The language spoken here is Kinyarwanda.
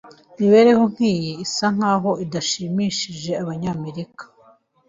Imibereho nkiyi isa nkaho idashimishije Abanyamerika.